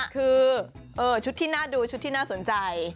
คือชุดที่น่าดูชุดที่น่าสนใจ